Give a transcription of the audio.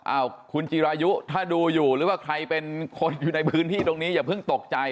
อ้าวคุณจิรายุถ้าดูอยู่หรือว่าใครเป็นคนอยู่ในพื้นที่ตรงนี้อย่าเพิ่งตกใจ